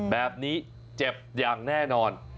แบบนี้เจ็บอย่างแน่นอน